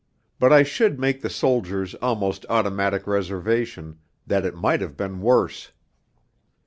But I should make the soldier's almost automatic reservation, that it might have been worse.